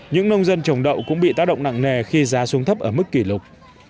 những nông dân trồng đậu cũng bị tác động nặng nề khi giá xuống thấp ở mức kỷ lục